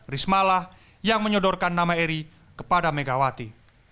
risma lah yang menyodorkan nama eri kepada megawati